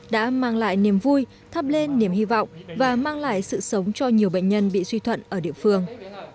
đã mang lại niềm vui thắp lên niềm hy vọng và mang lại sự sống cho nhiều bệnh nhân bị suy thuận ở địa phương